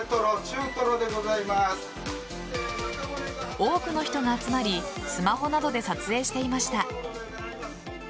多くの人が集まりスマホなどで撮影していました。